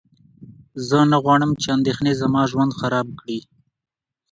زه نه غواړم چې اندېښنې زما ژوند خراب کړي.